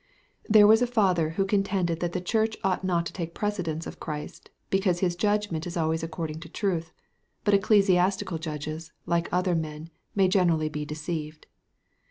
There was a father who contended that the Church ought not to take precedence of Christ, because his judgment is always according to truth; but ecclesiastical judges, like other men, may generally be deceived.